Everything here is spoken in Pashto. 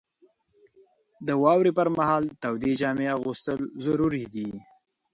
• د واورې پر مهال تودې جامې اغوستل ضروري دي.